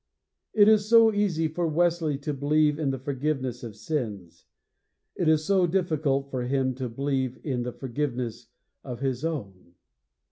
It is so easy for Wesley to believe in the forgiveness of sins: it is so difficult for him to believe in the forgiveness of his own!